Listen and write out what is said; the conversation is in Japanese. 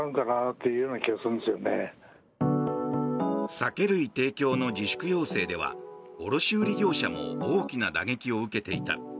酒類提供の自粛要請では卸売業者も大きな打撃を受けていた。